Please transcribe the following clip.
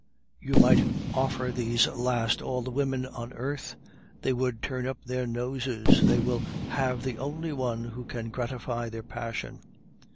You might offer these last all the women on earth they would turn up their noses; they will have the only one who can gratify their passion.